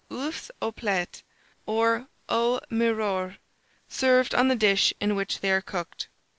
OEUFS AU PLAT, or AU MIROIR, served on the Dish in which they are Cooked.